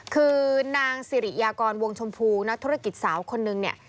คือนางสิริยากรวงชมพูนักธุรกิจสาวคนนึงเนี่ย